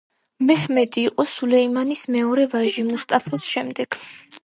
მეჰმედი იყო სულეიმანის მეორე ვაჟი მუსტაფას შემდეგ.